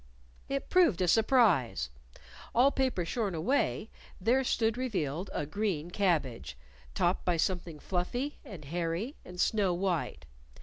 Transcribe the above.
It proved a surprise. All paper shorn away, there stood revealed a green cabbage, topped by something fluffy and hairy and snow white.